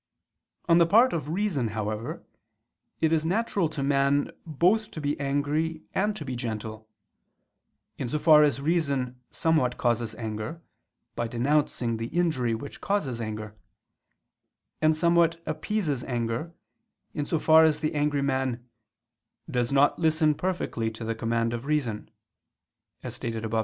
On the part of reason, however, it is natural to man, both to be angry and to be gentle: in so far as reason somewhat causes anger, by denouncing the injury which causes anger; and somewhat appeases anger, in so far as the angry man "does not listen perfectly to the command of reason," as stated above (A.